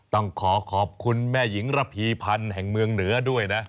ต้องขอขอบคุณแม่หญิงระพีพันธ์แห่งเมืองเหนือด้วยนะ